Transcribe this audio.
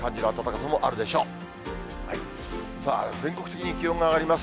さあ、全国的に気温が上がります。